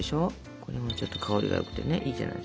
これもちょっと香りがよくてねいいじゃないですか。